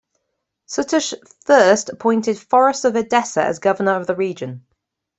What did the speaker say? Tutush I appointed Thoros of Edessa as governor of the region.